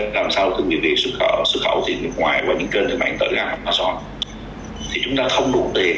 làm sao thương hiệu việt xuất khẩu xuất khẩu thương hiệu nước ngoài